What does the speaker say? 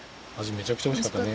めちゃくちゃおいしかったね。